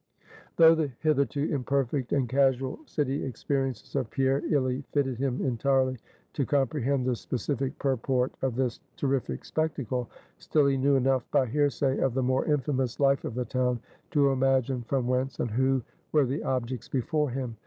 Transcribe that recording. Though the hitherto imperfect and casual city experiences of Pierre illy fitted him entirely to comprehend the specific purport of this terrific spectacle; still he knew enough by hearsay of the more infamous life of the town, to imagine from whence, and who, were the objects before him.